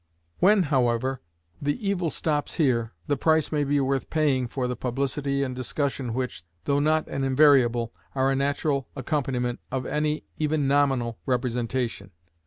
When, however, the evil stops here, the price may be worth paying for the publicity and discussion which, though not an invariable, are a natural accompaniment of any, even nominal, representation.